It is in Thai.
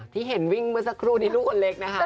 ที่เห็นวิ่งเมื่อสักครู่นี้ลูกคนเล็กนะคะ